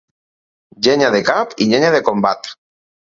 Llenya de cap i llenya de combat.